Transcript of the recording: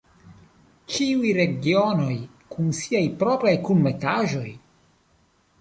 Ĉiuj regionoj kun siaj propraj kunmetaĵoj!